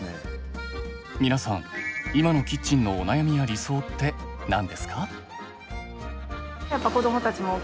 皆さん今のキッチンのお悩みや理想って何ですか？